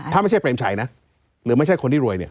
ถ้าไม่ใช่เปรมชัยนะหรือไม่ใช่คนที่รวยเนี่ย